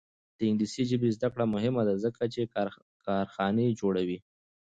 د انګلیسي ژبې زده کړه مهمه ده ځکه چې کارخانې جوړوي.